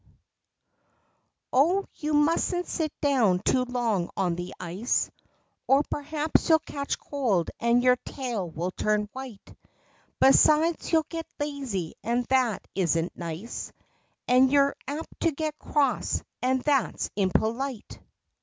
O you musn't sit down too long on the ice, Or perhaps you'll catch cold and your tail will turn white; Besides, you'll get lazy and that isn't nice, And you're apt to get cross and that's impolite."